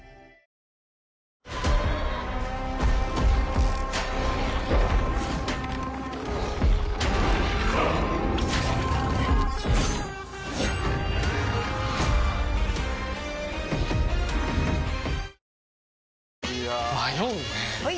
いや迷うねはい！